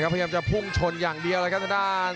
พยายามจะพุ่งชนอย่างเดียวเลยครับทางด้าน